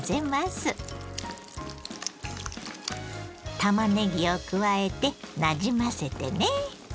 たまねぎを加えてなじませてね。